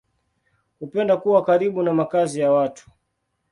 Hupenda kuwa karibu na makazi ya watu.